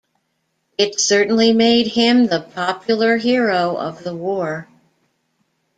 It certainly made him the popular hero of the war.